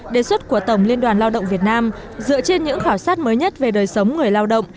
đề xuất của tổng liên đoàn lao động việt nam dựa trên những khảo sát mới nhất về đời sống người lao động